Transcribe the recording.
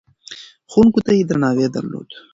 ښوونکو ته يې درناوی درلود.